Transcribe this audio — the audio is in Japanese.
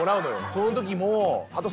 その時も。